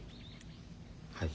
はい。